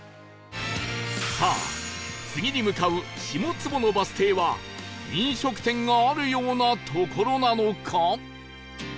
さあ次に向かう下坪野バス停は飲食店があるような所なのか？